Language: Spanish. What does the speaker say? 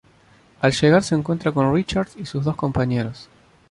Al llegar se encuentra con "Richards" y sus dos compañeros.